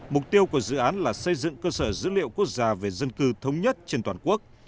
mục tiêu của dự án là xây dựng cơ sở dữ liệu quốc gia về dân cư thống nhất trên toàn quốc